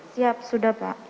tidak sudah pak